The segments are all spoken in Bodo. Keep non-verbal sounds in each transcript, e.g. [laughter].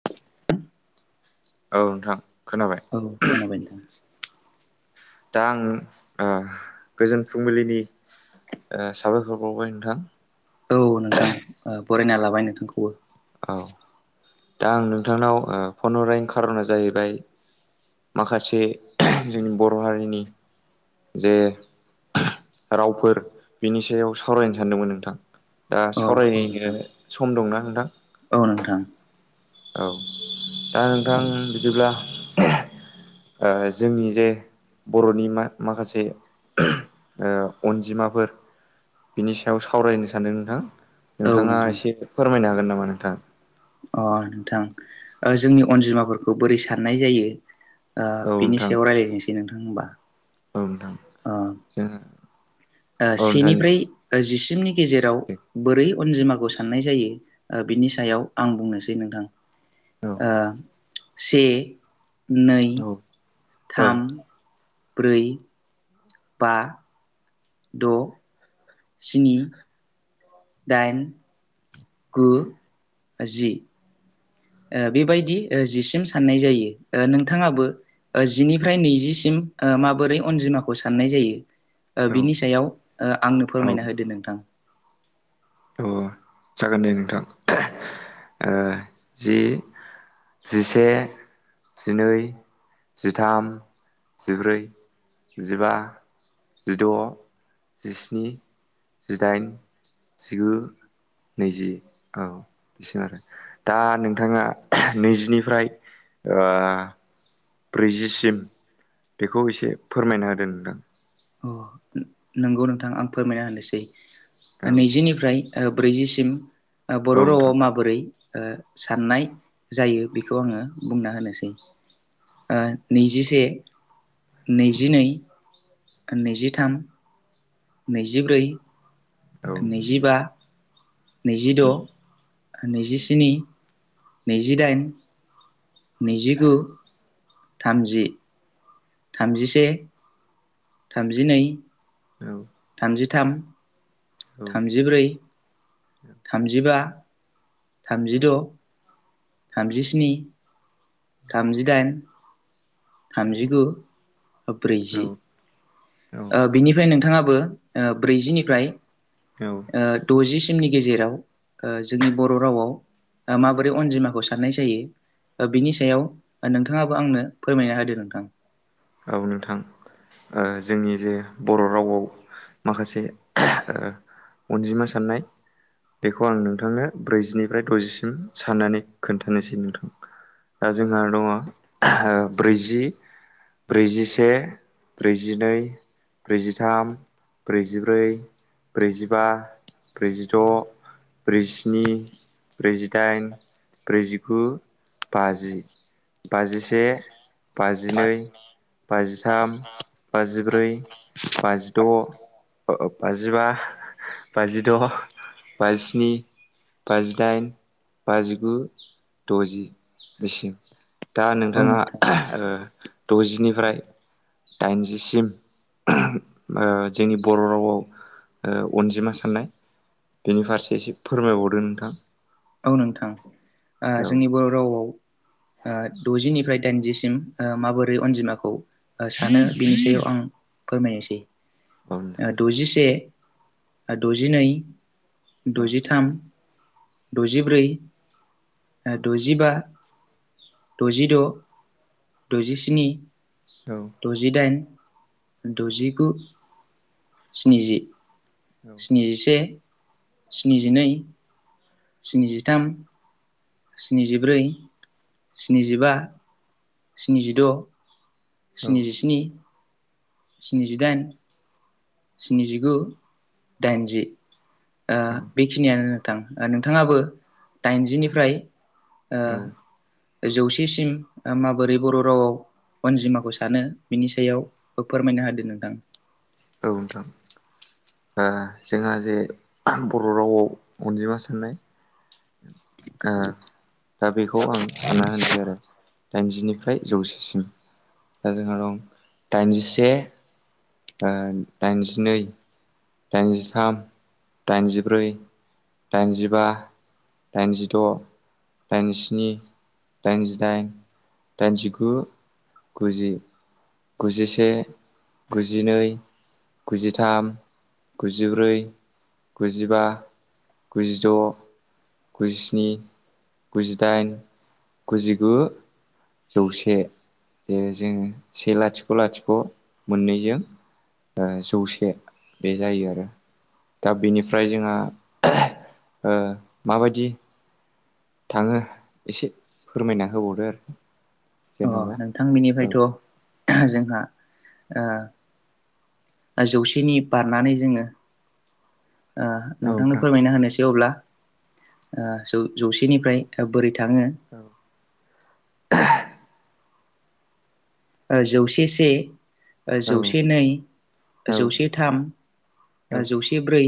[unintelligible] औ नोंथां खोनाबाय औ खोनाबाय नोंथां दा आं गोजोन फुंबिलिनि ओ साबायखर बावबाय नोंथां औ नोंथां ओ बरायना लाबाय नोंथांखौबो औ दा आं नोंथांनाव फन हरनायनि खार'नानो जाहैबाय माखासे जोंनि बर' हारिनि जे रावफोर बिनि सायाव सावरायनो सानदोंमोन नोंथां ओ अ औ सावरायनो नोंथां सम दंना नोंथां औ नोंथां औ दा नोंथां बिदिब्ला ओ जोंनि जे बर'नि मा माखासे ओ अनजिमाफोर बिनि सायाव सावरायनो सानदों नोंथां औ नोंथाङा नोंथां एसे फोरमायनो हागोन नामा नोंथां अ नोंथां जोंनि अनजिमाफोरखौ बोरै साननाय जायो ओ औ बिनि नोंथां सायाव रायलायनोसै नोंथां होमबा अ जोङो ओ सेनिफ्राय जिसिमनि गेजेराव दे बोरै अनजिमाखौ साननाय जायो ओ बिनि सायाव आं बुंनोसै नोंथां औ ओ सि नै औ थाम ब्रै बा द' स्नि दाइन गु जि ओ बेबायदि ओ जिसिम साननाय जायो नोंथाङाबो ओ जिनिफ्राय नैजिसिम माबोरै अनजिमाखौ साननाय जायो ओ बिनि औ सायाव ओ आंनो फोरमायना होदो नोंथां अ जागोन दे नोंथां ओ जि जिसे जिनै जिथाम जिब्रै जिबा जिद' जिस्नि जिदाइन जिगु नैजि औ बिसिम आरो दा नोंथाङा नैजिनिफ्राय ओ ब्रैजिसिम बेखौ एसे फोरमायना होदों नोंथां अ नोंगौ नोंथां आं फोरमायना होनोसै औ नैजिनिफ्राय ब्रैजिसिम ओ बर' नोंथां रावआव माबोरै ओ साननाय जायो बेखौ आङो बुंना होनोसै ओ नैजिसे नैजिनै नैजिथाम नैजिब्रै औ नैजिबा नैजिद' नैजिस्नि नैजिदाइन नैजिगु थामजि थामजिसे थामजिनै औ थामजिथाम औ थामजिब्रै थामजिबा थामजिद' थामजिस्नि थामजिदाइन थामजिगु औ ब्रैजि ओ बिनिफ्राय नोंथाङाबो ओ ब्रैजिनिफ्राय औ ओ द'जिसिमनि गेजेराव ओ जोंनि बर' रावाव माबोरै अनजिमा साननाय जायो बिनि सायाव नोंथाङाबो आंनो फोरमायना होदो नोंथां औ नोंथां जोंनि जे बर' रावआव माखासे अनजिमा साननाय बेखौ आं नोंथांनो ब्रैजिनिफ्राय द'जिसिम साननानै खोन्थानोसै नोंथां दा जोंहा दङ ओ ब्रैजि ब्रैजिसे ब्रैजिनै ब्रैजिथाम ब्रैजिब्रै ब्रैजिबा ब्रैजिद' ब्रैजिनि ब्रैजिदाइन ब्रैजिगु बाजि बाजिसे बाजिनै बाजिथाम बाजिब्रै बाजिद' औ बाजिबा बाजिद' बाजिस्नि बाजिदाइन बाजिगु द'जि बिसि दा औ नोंथाङा नोंथां ओ द'जिनि फ्राय दाइनजिसिम ओ जोंनि बर' रावआव ओ अनजिमा साननाय बेनि फारसे एसे फोरमायबावदो नोंथां औ नोंथां औ ओ जोंनि बर' रावआव ओ द'जिनिफ्राय दाइनजिसिम ओ माबोरै अनजिमाखौ ओ सानो बिनि सायाव आं फोरमायनोसै औ नोंथां ओ द'जिसे ओ द'जिनै औ द'जिथाम द'जिब्रै ओ द'जिबा द'जिद' द'जिस्नि औ द'जिदाइन द'जिगु स्निजि स्निजिसे स्निजिनै स्निजिथाम स्निजिब्रै स्निजिबा स्निजिद' स्निजिस्नि स्निजिदाइन स्निजिगु दाइनजि ओ औ बेखिनियानो नोंथां ओ नोंथाङाबो दाइनजिनिफ्राय औ औ ओ जौसेसिम माबोरै बर' रावाव अनजिमाखौ सानो बिनि सायाव फोरमायनो हादो नोंथां औ नोंथां ओ जोंहा जे बर' रावआव अनजिमा साननाय ओ दा बेखौ आं सानना होनसै आरो दाइनजिनिफ्राय जौसेसिम दा जोंहा दं दाइनजिसे ओ दाइनजिनै दाइनजिथाम दाइनजिब्रै दाइनजिबा दाइनजिद' दाइनजिस्नि दाइनजिदाइन दाइनजिगु गुजि गुजिसे गुजिनै गुजिथाम गुजिब्रै गुजिबा गुजिद' गुजिस्नि गुजिदाइन गुजिगु जौसे जे जोङो से लाथिख' लाथिख' मोननैजों ओ जौसे बे जायो आरो दा बिनिफ्राय जोंहा ओ माबादि थाङो एसे फोरमायना होबावदो आरो अ जेन'बा नोंथां औ बिनिफायथ' जोंहा ओ जौसेनि बारनानै जोङो ओ नोंथांनो नोंथां फोरमायना होनोसै अब्ला ओ जौ जौसेनिफ्राय बोरै थाङो [inaudible] ओ जौसे से ओ औ जौसे नै औ जौसे थाम ओ औ जौसे ब्रै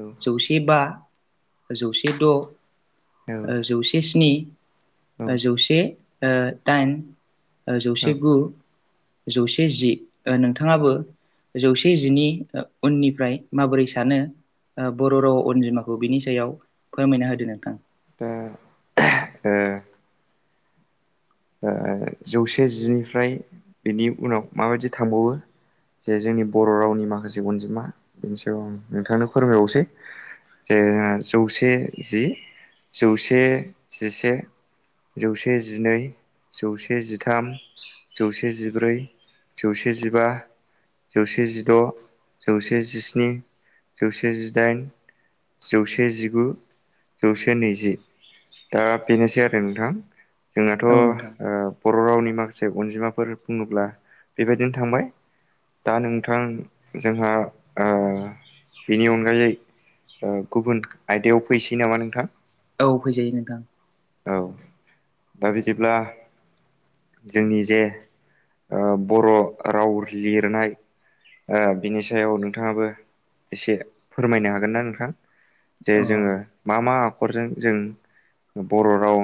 औ जौसेबा जौसे औ द' जौसे स्नि जौसे दाइन जौसे गु जौसे जि नोंथाङाबो जौसे जिनि उननिफ्राय माबोरै सानो बर' राव अनजिमाखौ बिनि सायाव फोरमायना होदो नोंथां। ओ जौसे जिनिफ्राय बेनि उनाव माबायदि थांबावो? जे जोंनि बर' रावनि माखासे अनजिमा बेनि सायाव आं नोंथांनो फोरमायबावसै। जे जौसे जि जौसे जिसे जौसे जिनै। जौसे जिथाम जौसे जिब्रै जौसे जिबा। जौसे जिद' जौसे जिस्नि जौसे जिदाइन जौसे जिगु जौसे नैजि। दा बेनोसै आरो नोंथां जोंनाथ' औ नोंथां बर' रावनि माखासे अनजिमाफोर बुङोब्ला बेबायदिनो थांबाय। दा नोंथां जोंहा बिनि अनगायै गुबुन आयदायाव फैसै नामा नोंथां? औ फैजायो नोंथां। औ दा बिदिब्ला जोंनि जे बर' राव लिरनाय बिनि सायाव नोंथाङाबो एसे फोरमायनो हागोन ना नोंथां? जे अ जोङो मा मा आखरजों जों बर' राव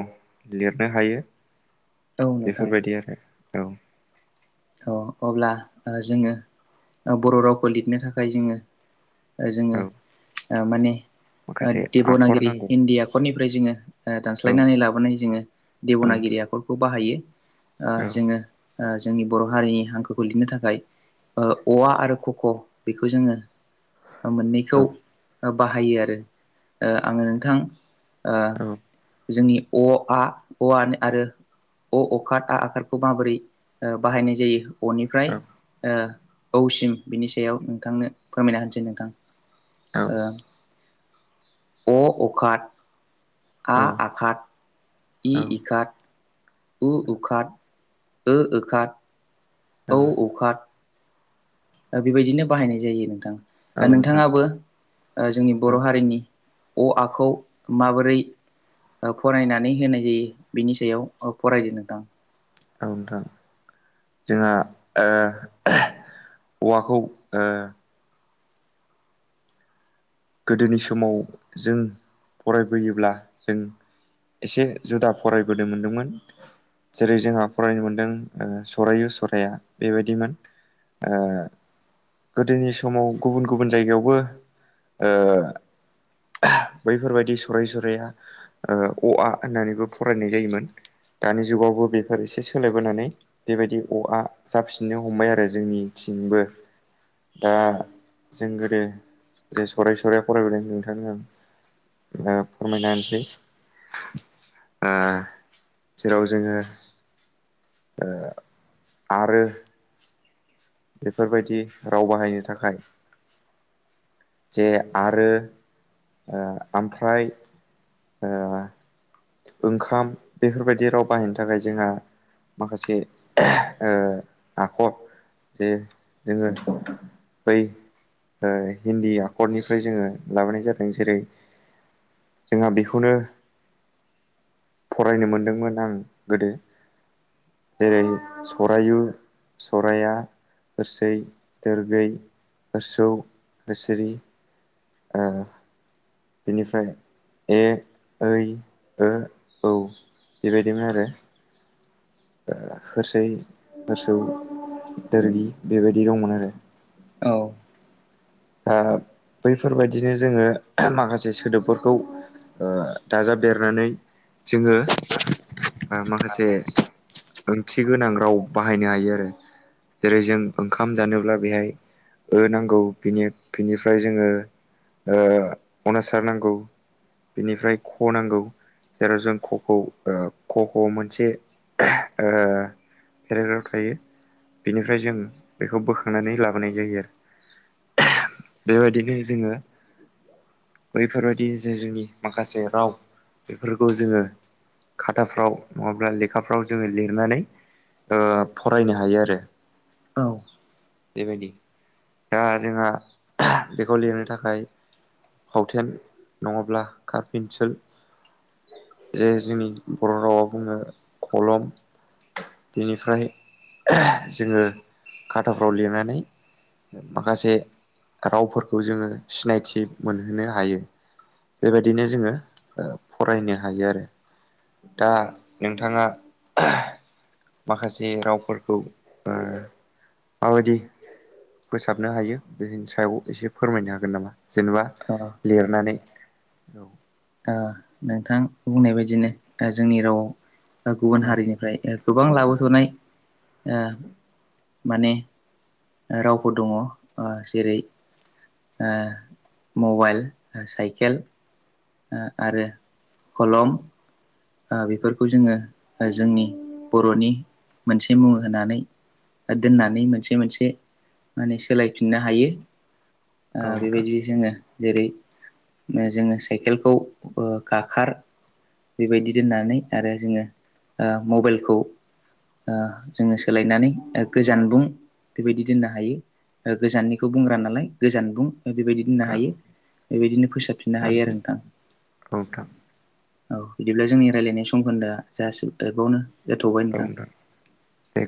लिरनो हायो औ नोंथां बेफोरबायदि आरो औ। अ अब्ला जोङो बर' रावखौ लिरनो थाखाय जोङो जोङो औ ओ माने माखासे आखर देब'नागिरि नांगौ इण्डिया आखरनिफ्राय जोङो औ दानस्लायनानै लाबोनाय जोङो औ देब'नागिरि आखरखौ बाहायो। औ जोङो जोंनि बर' हारिनि हांखोखौ लिरनो थाखाय औवा आरो ख'खौ बेखौ जोङो मोननैखौ औ बाहायो आरो। आङो नोंथां ओ औ जोंनि अ आ अआन आरो अ अखार आ आखारखौ माबोरै बाहायनाय जायो अनिफ्राय औसिम बिनि सायाव नोंथांनो फोरमायना होनोसै नोंथां। ओ अ- अखाद औ औ आ-आखाद, इ-इखाद उ-उखार, ओ-ओखार, औ औ-औखार। बेबायदिनो बाहायनाय जायो नोंथां। औ नोंथां नोंथाङाबो ओ जोंनि औ बर' हारिनि अ, आ खौ माबोरै फरायनानै होनाय जायो बिनि सायाव फरायदो नोंथां। औ नोंथां। जोंहा ओ औवाखौ ओ गोदोनि समाव जों फरायबोयोब्ला जों एसे जुदा फरायबोनो मोनदोंमोन। जेरै जोंहा फरायनो मोनदों सरायु सराया बेबायदिमोन। ओ गोदोनि समाव गुबुन गुबुन जायगायावबो ओ बैफोर बायदि सरायु सराया अ आ होननानैबो फरायनाय जायोमोन। दानि जुगावबो बेफोर एसे सोलायबोनानै बेबायदि अ आ जाफिननो हमबाय आरो जोंनिथिंबो। दा जों गोदो फरायसालियाव फरायबोदों नोंथां आं ओ फोरमायना होनोसै। ओ जेराव जोङो ओ आरो बेफोरबायदि राव बाहायनो थाखाय जे आरो ओ ओमफ्राय ओ ओंखाम बेफोरबायदि राव बाहायनो थाखाय जोंहा माखासे ओ आखर जे जोङो बै ओ हिन्दी आखरनिफ्राय जोङो लाबोनाय जादों जेरै जोंहा बेखौनो फरायनो मोनदोंमोन आं गोदो। जेरै सरायु, सराया होरसै, दोरगै, होरसौ, होरसोरि ओ बिनिफ्राय ए, ऐ, ओ, औ बेबायदिमोन आरो। होरसै होरसौ दोरगि बेबायदि दंमोन आरो। औ। ओ बैफोरबायदिनो जोङो माखासे सोदोबफोरखौ ओ दाजाबदेरनानै जोङो ओ माखासे ओंथि गोनां राव बाहायनो हायो आरो। जेरै जों ओंखाम जानोब्ला बेहाय ओ नांगौ। बिनि बिनिफ्राय जोङो ओ अनचार नांगौ। बिनिफ्राय ख नांगौ। जेराव जों ख'खौ ओ खखौ मोनसे ओ फेरेग्राप थायो बिनिफ्राय जों बेखौ बोखांनानै लाबोनाय जायो आरो। बेबायदिनो जोङो बैफोरबायदि जे जोंनि माखासे राव बेफोरखौ जोङो खाथाफ्राव नङाब्ला लेखाफ्राव जोङो लिरनानै ओ फरायनो हायो आरो। औ। बेबायदि, दा जोंहा बेखौ लिरनो थाखाय फावथेन नङाब्ला कारपेनसिल जे जोंनि बर' रावआव बुङो खलम बेनिफ्राय जोङो खाथाफ्राव लिरनानै माखासे रावफोरखौ जोङो सिनायथि मोनहोनो हायो। बेबायदिनो जोङो ओ फरायनो हायो आरो। दा नोंथाङा माखासे रावफोरखौ बा माबायदि फोसाबनो हायो बेनि सायाव एसे फोरमायनो हागोन नामा जेनेबा ओ लिरनानै? औ ओ नोंथां बुंनाय बायदिनो ओ जोंनि रावाव ओ गुबुन औ हारिनिफ्राय ओ गोबां लाबोथ'नाय ओ माने ओ रावबो दङ ओ जेरै ओ मबाइल, ओ साइकेल ओ आरो खलम ओ बेफोरखौ जोङो ओ जोंनि बर'नि मोनसे मुं होनानै ओ दोननानै मोनसे मोनसे माने सोलायफिननो हायो ओ औ नोंथां बेबायदि जोङो जेरै ओ साइकेलखौ ओ गाखार बेबायदि दोननानै आरो जोङो ओ मबाइलखौ ओ जोङो सोलायनानै ओ गोजान बुं बेबायदि दोननो हायो ओ गोजाननिखौ बुंग्रा नालाय गोजान बुं बेबायदि बुंनो औ हायो बेबायदिनो फोसाबफिननो हायो आरो जानबुं नोंथां। औ नोंथां औ। बिदिब्ला जोंनि रायलायनाय सम खोन्दोया [unintelligible] जाथ'बाय नोंथां। दे